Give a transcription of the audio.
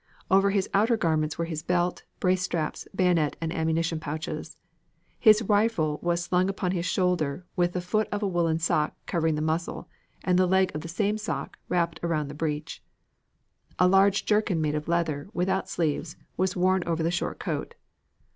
Over his outer garments were his belt, brace straps, bayonet and ammunition pouches. His rifle was slung upon his shoulder with the foot of a woolen sock covering the muzzle and the leg of the same sock wrapped around the breech. A large jerkin made of leather, without sleeves, was worn over the short coat.